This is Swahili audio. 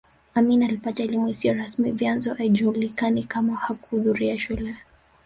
Amin alipata elimu isiyo rasmi vyanzo haijulikani kama hakuhudhuria shule